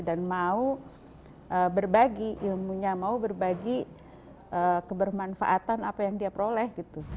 dan mau berbagi ilmunya mau berbagi kebermanfaatan apa yang dia peroleh